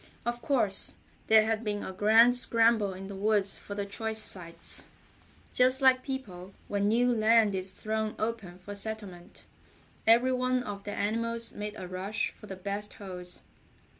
Of course, there had been a grand scramble in the woods for the choice sites. Just like people when new land is thrown open for settlement, every one of the animals made a rush for the best holes.